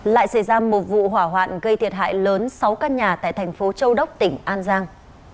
lại xảy ra một vụ hỏa hoạn gây thiệt hại lớn sáu căn nhà tại thành phố châu đốc tỉnh an giang